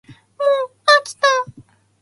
もうあきた